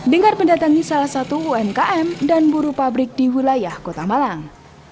dengar mendatangi salah satu umkm dan buru pabrik di wilayah kota malang